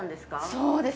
そうです。